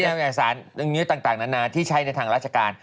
ที่นำอาจารย์งนิ้วต่างนานาที่ใช้ในทางราชการ